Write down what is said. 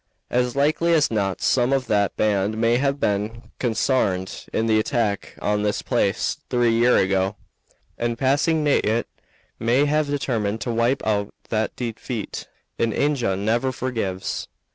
As likely as not some of that band may have been consarned in the attack on this place three year ago, and, passing nigh it, may have determined to wipe out that defeat. An Injun never forgives.